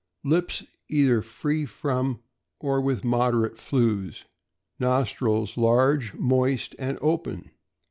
Lips either free from or with moderate flews. Nostrils large, moist, and open.